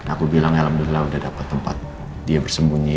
aku bilang alhamdulillah udah dapat tempat dia bersembunyi